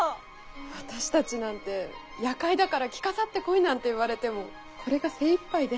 私たちなんて夜会だから着飾ってこいなんて言われてもこれが精いっぱいで。